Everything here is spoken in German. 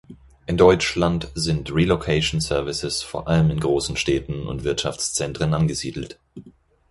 In Deutschland sind Relocation Services vor allem in großen Städten und Wirtschaftszentren angesiedelt.